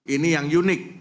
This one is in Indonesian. ini yang unik